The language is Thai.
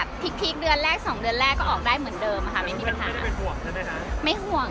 มีเจนนี่ท้องมีเจนสุดาก็ท้องเหมือนกัน